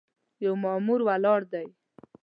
یو مامور ولاړ دی.